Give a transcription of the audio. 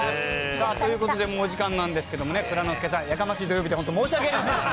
ということでもうお時間なんですけど、蔵之介さん、やかましい土曜日で本当申し訳ありませんでした。